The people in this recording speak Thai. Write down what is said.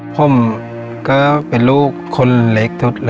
ผมก็เป็นลูกคนเล็ก